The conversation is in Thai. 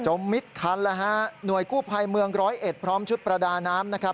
มิดคันแล้วฮะหน่วยกู้ภัยเมืองร้อยเอ็ดพร้อมชุดประดาน้ำนะครับ